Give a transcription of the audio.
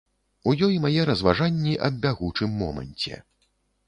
У ёй мае разважанні аб бягучым моманце.